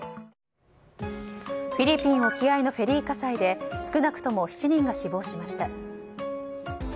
フィリピン沖合のフェリー火災で少なくとも７人が死亡しました。